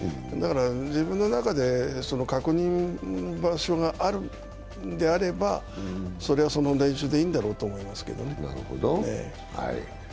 自分の中で確認場所があるんであれば、それはその練習でいいんだろうと思いますけどね。